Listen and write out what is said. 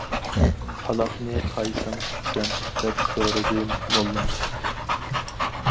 پالاقنى قايسىڭ تۇتىسەن، -دەپ سورىدى موللام.